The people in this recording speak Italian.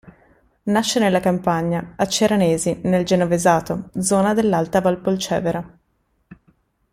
Nasce nella campagna, a Ceranesi, nel genovesato, zona dell'Alta Val Polcevera.